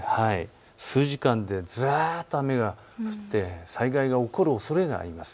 数時間でずっと雨が降って災害が起こる可能性があります。